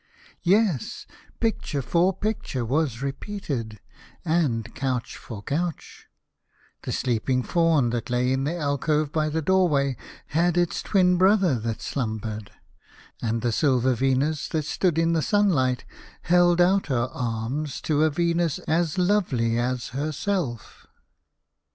Yes, picture for picture was repeated, and couch for couch. The sleeping Faun that lay in the alcove by the doorway had its twin brother that slumbered, and the silver Venus that stood in the sunlight held out her arms to a Venus as lovely as herself.